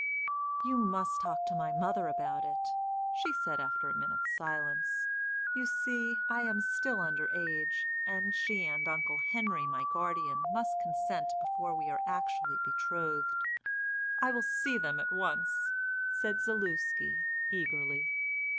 "You must talk to my mother about it," she said after a minute's silence. "You see, I am still under age, and she and Uncle Henry my guardian must consent before we are actually betrothed." "I will see them at once," said Zaluski, eagerly.